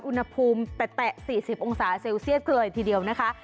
อุณหภูมิแตะ๔๐องศาเซลเซียสเลยทีเดียวนะคะ